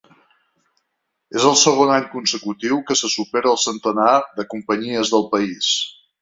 És el segon any consecutiu que se supera el centenar de companyies del país.